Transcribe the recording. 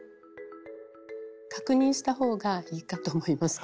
確認したほうがいいかと思います。